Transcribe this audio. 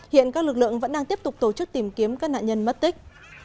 hiện các lực lượng vẫn đang tiếp tục tổ chức tìm kiếm các nạn nhân mất tích